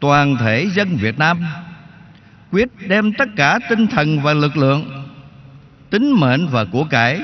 toàn thể dân việt nam quyết đem tất cả tinh thần và lực lượng tính mệnh và của cải